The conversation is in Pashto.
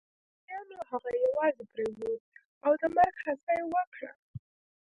پرچمیانو هغه يوازې پرېښود او د مرګ هڅه يې وکړه